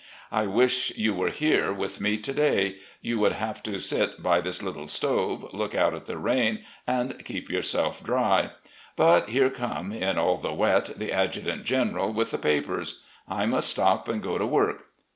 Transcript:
I wish you were here with me to day. You would have to sit by this little stove, look out at the rain, and keep yom self dry. But here come, in all the wet, the adjutants general with the papers. I must stop and go to work.